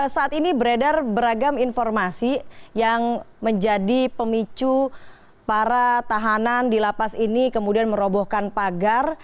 saat ini beredar beragam informasi yang menjadi pemicu para tahanan di lapas ini kemudian merobohkan pagar